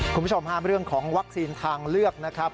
คุณผู้ชมฮะเรื่องของวัคซีนทางเลือกนะครับ